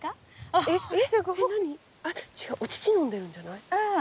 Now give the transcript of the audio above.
あっ違うお乳飲んでるんじゃない？